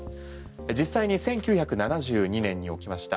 実際に１９７２年に起きました